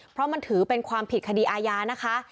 เพราะมันถือเป็นความผิดคดีอาญานะคะ